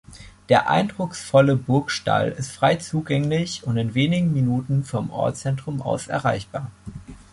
Der eindrucksvolle Burgstall ist frei zugänglich und in wenigen Minuten vom Ortszentrum aus erreichbar.